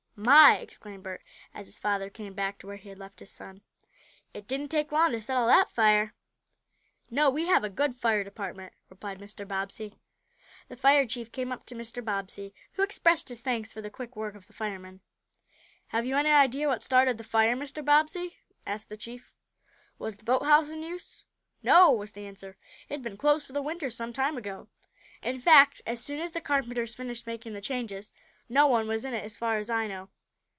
"My!" exclaimed Bert as his father came back to where he had left his son, "it didn't take long to settle that fire." "No, we have a good fire department," replied Mr. Bobbsey. The fire chief came up to Mr Bobbsey, who expressed his thanks for the quick work of the firemen. "Have you any idea what started the fire, Mr. Bobbsey?" asked the chief. "Was the boathouse in use?" "No," was the answer. "It had been closed for the winter some time ago in fact as soon as the carpenters finished making the changes. No one was in it as far as I know."